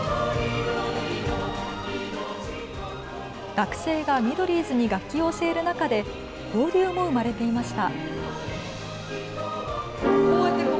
学生がミドリーズに楽器を教える中で交流も生まれていました。